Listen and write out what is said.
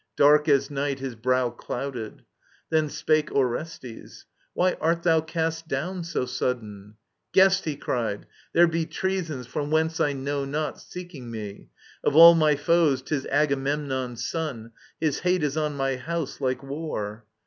Dark as night his brow Clouded. Then spake Orestes :Why art thou Cast down so sudden ?" Guest, he cried, there be Treasons from whence I know not, seeking me.* Of all my foes, 'tis Agamemnon's son ; His hate is on my house^ like war."